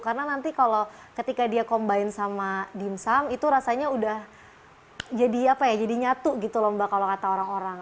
karena nanti kalau ketika dia combine sama dimsum itu rasanya udah jadi apa ya jadi nyatu gitu loh mbak kalau kata orang orang